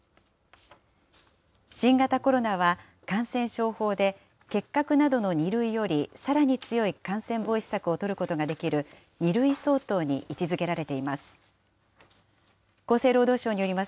新型コロナは、感染症法で結核などの２類よりさらに強い感染防止策を取ることができる２類相当に位置づけられています。